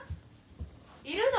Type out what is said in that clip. いるの？